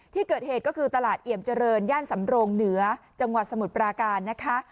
ที่เกิดเหตุก็คือตลาดเอี่ยมเจริญย่านสำโรงเหนือจังหวัดสมุทรปราการนะคะ